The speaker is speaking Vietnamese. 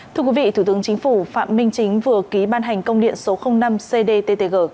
thưa quý vị thủ tướng chính phủ phạm minh chính vừa ký ban hành công điện số năm cdttg